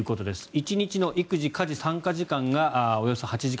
１日の育児・家事参加時間がおよそ８時間。